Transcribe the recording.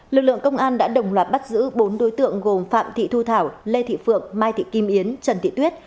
lực lượng công an đã đồng loạt bắt giữ bốn đối tượng gồm phạm thị thu thảo lê thị phượng mai thị kim yến trần thị tuyết